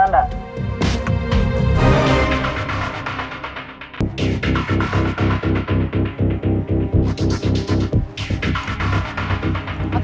saya sudah berbicara dengan mereka